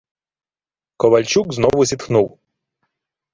Ковальчук знову зітхнув.